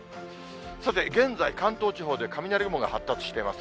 さて、現在、関東地方で雷雲が発達しています。